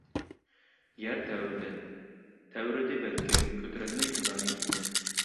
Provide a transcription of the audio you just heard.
يەر تەۋرىدى، تەۋرىدى بەلكىم كۆتۈرەلمەي گۇناھىمىزنى.